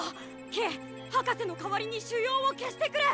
ケイ博士の代わりに腫瘍を消してくれ。